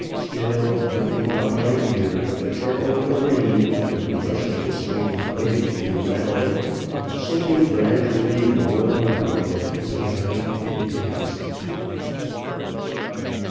Still, nothing caught my ear but the trickle of the rain and the rush of the sweeping wind through the valley, sinking gradually lower and lower as the night advanced.